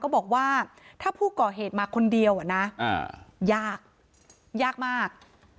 บอกว่าถ้าผู้ก่อเหตุมาคนเดียวอ่ะนะยากยากมาก